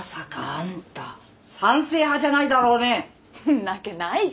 んなわけないじゃん。